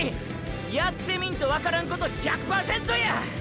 やってみんとわからんこと１００％や！！